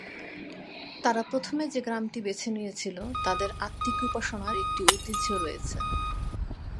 তারা প্রথমে যে গ্রামটি বেছে নিয়েছিল, তাদের আত্মিক উপাসনার একটি ঐতিহ্য রয়েছে।